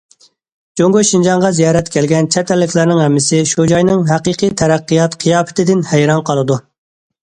جۇڭگو شىنجاڭغا زىيارەتكە كەلگەن چەت ئەللىكلەرنىڭ ھەممىسى شۇ جاينىڭ ھەقىقىي تەرەققىيات قىياپىتىدىن ھەيران قالىدۇ.